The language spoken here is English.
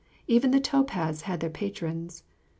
Even the tow paths had their patrons.